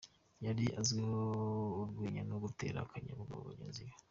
Yari azwiho urwenya no gutera akanyabugabo bagenzi be.